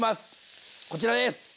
こちらです。